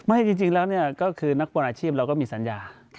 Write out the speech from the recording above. ไม่จริงแล้วก็คือนักบอลอาชีพเราก็มีสัญญา